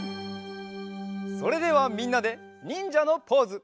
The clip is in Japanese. それではみんなでにんじゃのポーズ！